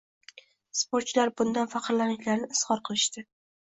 Sportchilar bundan faxrlanishlarini izhor qilishdi.